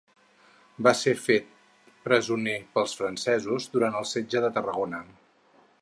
Va ser fet presoner pels francesos durant el setge de Tarragona.